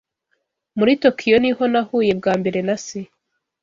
Muri Tokiyo niho nahuye bwa mbere na se.